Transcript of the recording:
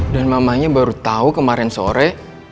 dan mamanya baru tau kemaren sore